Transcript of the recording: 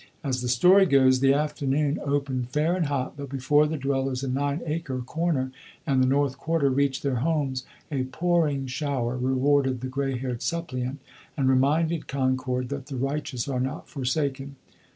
As the story goes, the afternoon opened fair and hot, but before the dwellers in Nine Acre Corner and the North Quarter reached their homes a pouring shower rewarded the gray haired suppliant, and reminded Concord that the righteous are not forsaken.